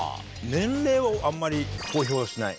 年齢をあんまり公表しない。